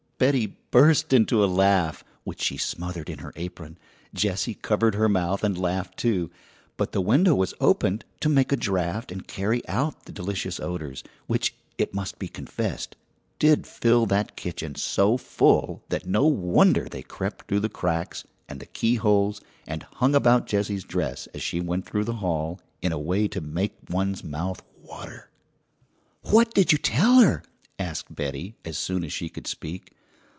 Betty burst into a laugh which she smothered in her apron. Jessie covered her mouth and laughed, too, but the window was opened to make a draught and carry out the delicious odours, which, it must be confessed, did fill that kitchen so full that no wonder they crept through the cracks, and the keyholes, and hung about Jessie's dress as she went through the hall, in a way to make one's mouth water. "What did ye tell her?" asked Betty, as soon as she could speak.